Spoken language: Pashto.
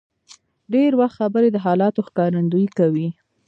ډېر وخت خبرې د حالاتو ښکارندویي کوي.